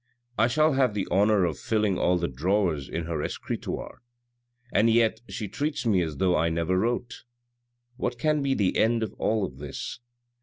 I shall have the honour of filling all the drawers in her escritoire. And yet she treats me as though I never wrote. What can be the end of all this